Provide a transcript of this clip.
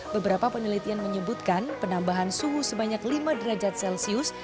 beberapa penelitian menyebutkan penambahan suhu sebanyak lima derajat celcius